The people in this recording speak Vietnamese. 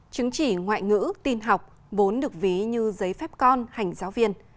chứng chỉ ngoại ngữ tin học bốn được ví như giấy phép con hành giáo viên